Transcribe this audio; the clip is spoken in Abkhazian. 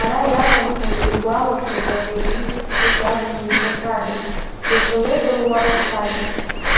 Ара иаванхо иргәалашәоит, ари аӡиас ԥсыӡ агны избахьадаз, иҳәылыҳәылуа иҭажьын.